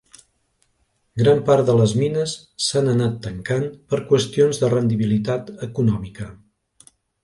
Gran part de les mines s'han anat tancant per qüestions de rendibilitat econòmica.